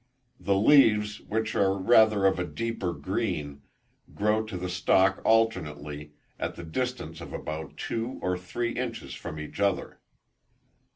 The leaves, which are rather of a deeper green, grow to the stalk alternately, at the distance of about two or three inches from each other.